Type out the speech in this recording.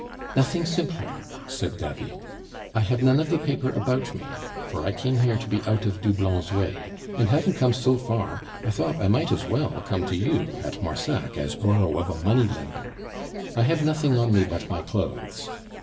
"Nothing simpler," said David; "I have none of the paper about me, for I came here to be out of Doublon's way; and having come so far, I thought I might as well come to you at Marsac as borrow of a money lender. I have nothing on me but my clothes.